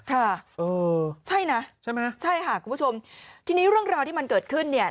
ค่ะเออใช่นะใช่ไหมใช่ค่ะคุณผู้ชมทีนี้เรื่องราวที่มันเกิดขึ้นเนี่ย